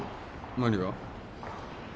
何が？